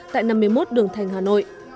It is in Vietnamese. tại năm mươi một đường thành hà nội